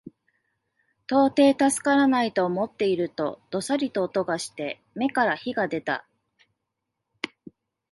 到底助からないと思っていると、どさりと音がして眼から火が出た